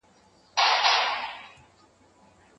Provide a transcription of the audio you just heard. پیتاوي ته کېناستل بدن ته ګټه رسوي.